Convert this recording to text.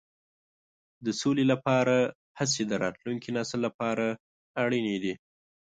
د سولې لپاره هڅې د راتلونکي نسل لپاره اړینې دي.